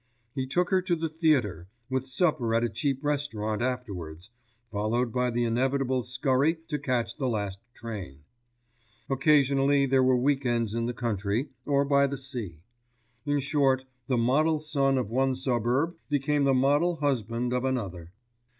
He took her to the theatre, with supper at a cheap restaurant afterwards, followed by the inevitable scurry to catch the last train. Occasionally there were week ends in the country, or by the sea. In short the model son of one suburb became the model husband of another.